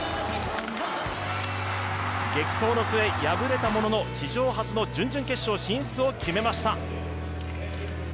激闘の末、敗れたものの史上初の準々決勝進出を決めました。